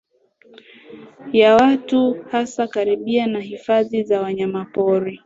ya watu hasa karibu na hifadhi za wanyamapori